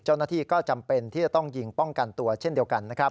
เจ้าหน้าที่ก็จำเป็นที่จะต้องยิงป้องกันตัวเช่นเดียวกันนะครับ